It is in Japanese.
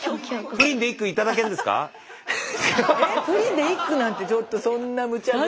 えプリンで１句なんてちょっとそんなむちゃぶり。